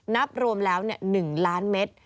นับรวมแล้ว๑ล้านเมตร